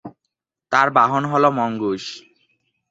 তার বাহন হল মঙ্গুস।